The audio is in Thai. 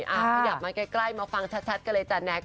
อ่ะอยากมาใกล้มาฟังชัดก็เลยจ๊ะแน็ก